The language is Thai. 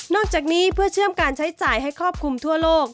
จากนี้เพื่อเชื่อมการใช้จ่ายให้ครอบคลุมทั่วโลก